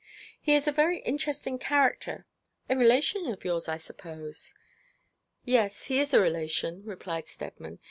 'He is a very interesting character. A relation of yours, I suppose?' 'Yes, he is a relation,' replied Steadman.